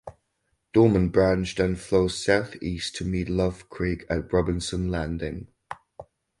Dorman Branch then flows southeast to meet Love Creek at Robinson Landing.